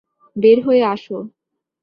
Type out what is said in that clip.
বের হয়ে আসো!